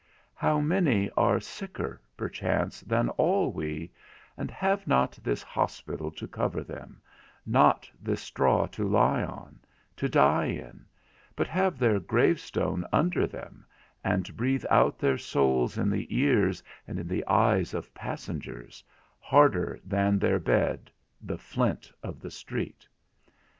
How many are sicker (perchance) than all we, and have not this hospital to cover them, not this straw to lie in, to die in, but have their gravestone under them, and breathe out their souls in the ears and in the eyes of passengers, harder than their bed, the flint of the street?